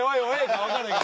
か分からへん。